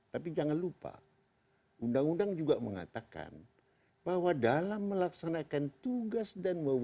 tapi jangan lupa undang undang juga mengatakan bahwa dalam melaksanakan tugas dan mewah